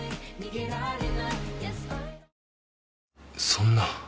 そんな。